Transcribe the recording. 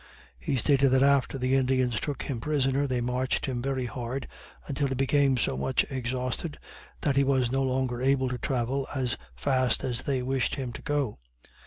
He stated that after the Indians took him prisoner, they marched him very hard, until he became so much exhausted that he was no longer able to travel as fast as they wished him to go.